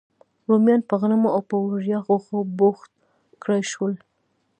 رومیان په غنمو او په وړیا غوښو بوخت کړای شول.